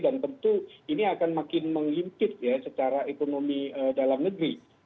dan tentu ini akan makin mengimpit ya secara ekonomi dalam negeri